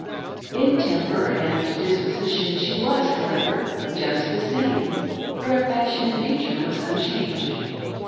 In temper and disposition she was, however, just the same ; her affectionate nature was, unchanged.